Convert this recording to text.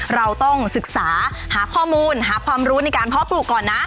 เราต้องศึกษาหาข้อมูลหาความรู้ในการเพาะปลูกก่อนนะ